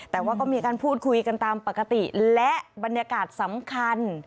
แต่ว่าก็มีการพูดคุยกันตามปกติและบรรยากาศสำคัญ